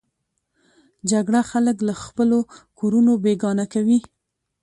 جګړه خلک له خپلو کورونو بېګانه کوي